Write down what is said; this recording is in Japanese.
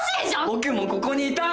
僕もここにいたい！